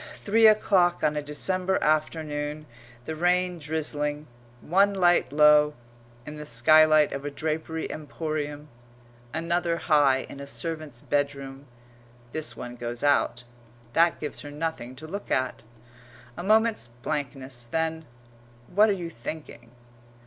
Three o'clock on a December afternoon; the rain drizzling; one light low in the skylight of a drapery emporium; another high in a servant's bedroom this one goes out. That gives her nothing to look at. A moment's blankness then, what are you thinking?